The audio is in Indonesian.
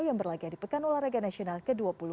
yang berlagak di pekan olahraga nasional ke dua puluh dua